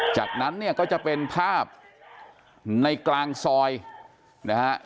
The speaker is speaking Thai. จากนั้นเนี่ยก็จะเป็นภาพในกลางซอยนะฮะ